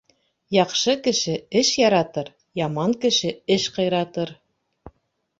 Яҡшы кеше эш яратыр, яман кеше эш ҡыйратыр.